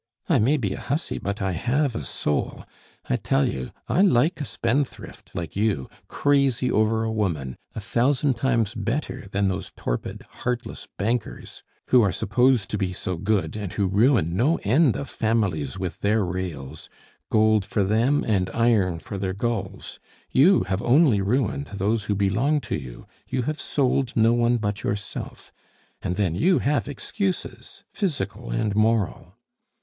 I may be a hussy, but I have a soul! I tell you, I like a spendthrift, like you, crazy over a woman, a thousand times better than those torpid, heartless bankers, who are supposed to be so good, and who ruin no end of families with their rails gold for them, and iron for their gulls! You have only ruined those who belong to you, you have sold no one but yourself; and then you have excuses, physical and moral."